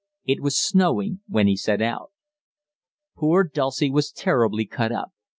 It was snowing when he set out. Poor Dulcie was terribly cut up.